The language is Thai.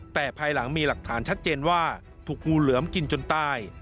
แต่ภายหลังมีหลักฐานชัดเจนว่าถูกงูเหลือมกินจนตาย